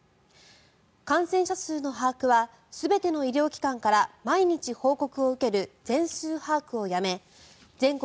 感染者数の把握は全ての医療機関から毎日報告を受ける全数把握をやめ全国